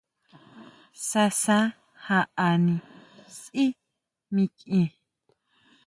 Sasa jaʼani sʼí mikʼien.